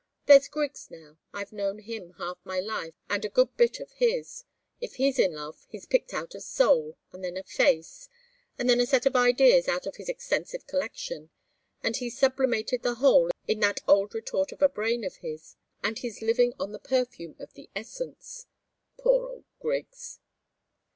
There's Griggs, now. I've known him half my life and a good bit of his. If he's in love, he's picked out a soul, and then a face, and then a set of ideas out of his extensive collection, and he's sublimated the whole in that old retort of a brain of his, and he's living on the perfume of the essence. Poor old Griggs!"